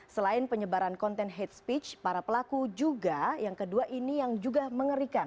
selain penyebaran konten hate speech para pelaku juga yang kedua ini yang juga mengerikan